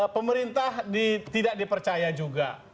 pemerintah tidak dipercaya juga